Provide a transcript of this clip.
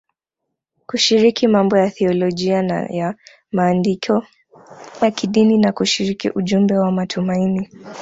kushiriki mambo ya thiolojia na ya maandiko ya kidini na kushiriki ujumbe wa matumaini.